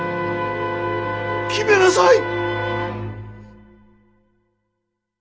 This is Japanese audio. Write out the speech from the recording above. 決めなさい。